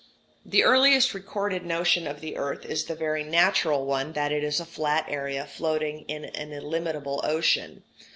] The earliest recorded notion of the earth is the very natural one that it is a flat area floating in an illimitable ocean.